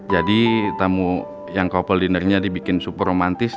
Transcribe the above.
jadi tamu yang couple dinernya dibikin super romantis